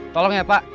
tolong ya pak